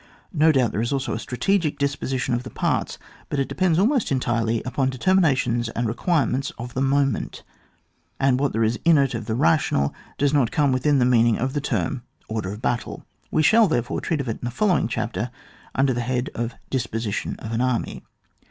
No doubt there is also a strategic disposition of the parts ; but it depends almost entirely on determinations and requirements of the moment, and what there is in it of the rational, does not come within the mean ing of the term order of battle." We shall therefore treat of it in the follow ing chapter under the head of Disposition of an Army.